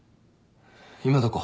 今どこ？